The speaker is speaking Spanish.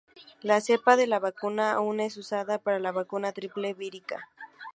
La cepa de la vacuna aún es usada para la vacuna triple vírica.